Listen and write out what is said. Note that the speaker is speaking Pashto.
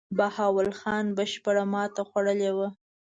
بهاول خان بشپړه ماته خوړلې وه.